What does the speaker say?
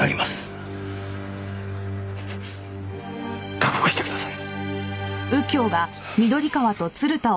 覚悟してください。